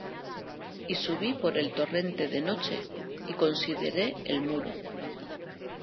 Y subí por el torrente de noche, y consideré el muro.